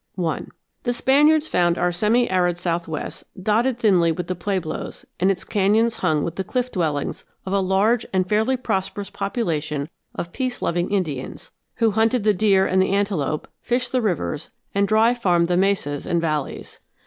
I The Spaniards found our semiarid southwest dotted thinly with the pueblos and its canyons hung with the cliff dwellings of a large and fairly prosperous population of peace loving Indians, who hunted the deer and the antelope, fished the rivers, and dry farmed the mesas and valleys.